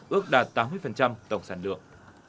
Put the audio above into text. ước đạt tám mươi tổng sản lượng